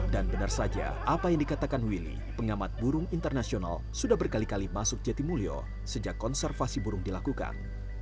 dan benar saja apa yang dikatakan willy pengamat burung internasional sudah berkali kali masuk jatimulyo sejak konservasi burung dilakukan